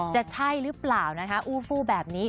จะใช่หรือเปล่านะคะอู้ฟู้แบบนี้